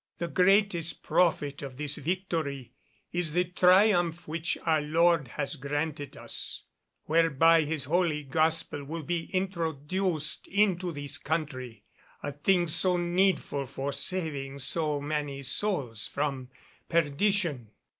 The greatest profit of this victory is the triumph which our Lord has granted us, whereby His holy Gospel will be introduced into this country, a thing so needful for saving so many souls from perdition."